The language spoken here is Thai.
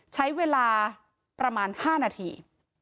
ใช้เวลาประมาณ๕นาที